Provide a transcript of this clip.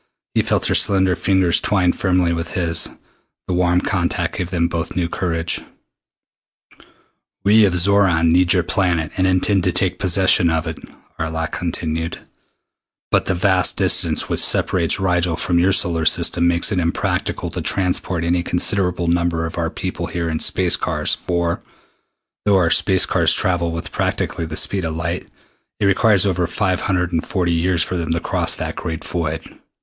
He felt her slender fingers twine firmly with his. The warm contact gave them both new courage. "We of Xoran need your planet and intend to take possession of it," Arlok continued, "but the vast distance which separates Rigel from your solar system makes it impracticable to transport any considerable number of our people here in space cars for, though our space cars travel with practically the speed of light, it requires over five hundred and forty years for them to cross that great void.